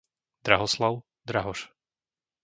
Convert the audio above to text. Drahoslav, Drahoš